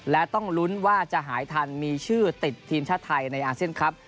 และต้องลุ้นว่าจะหายทันมีชื่อติดทีมชาติไทยในอาเซียนครับ